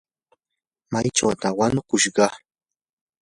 ¿maychawtaq wanukushqa?